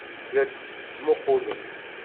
La d-tettmuqqulemt.